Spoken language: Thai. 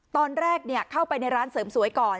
ตอนแรกเข้าไปในร้านเสริมสวยก่อน